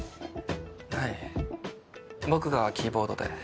はい僕がキーボードで。